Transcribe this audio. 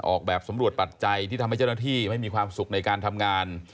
ออกแบบสำรวจปัจจัยที่ทำให้เจ้าหน้าที่ไม่มีความสุขในการทำงาน